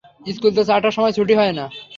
School তো চারটার সময় ছুটি হয় না?